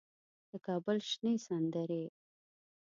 د کابل شنې سندرې